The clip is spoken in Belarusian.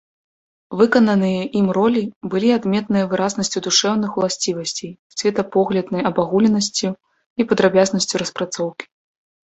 Выкананыя ім ролі былі адметныя выразнасцю душэўных уласцівасцей, светапогляднай абагульненасцю і падрабязнасцю распрацоўкі.